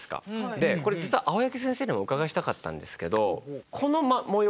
でこれ実は青柳先生にもお伺いしたかったんですけどこの模様。